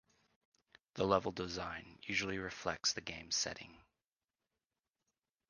The level design usually reflects the game's setting.